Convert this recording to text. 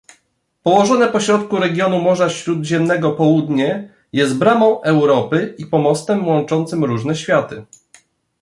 Położone pośrodku regionu Morza Sródziemnego Południe jest bramą Europy i pomostem łączącym różne światy